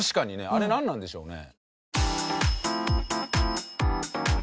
あれなんなんでしょうね？